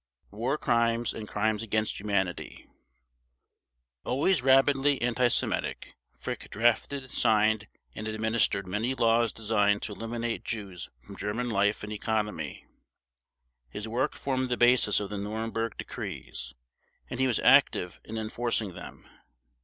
War Crimes and Crimes against Humanity Always rabidly anti Semitic, Frick drafted, signed, and administered many laws designed to eliminate Jews from German life and economy. His work formed the basis of the Nuremberg Decrees, and he was active in enforcing them.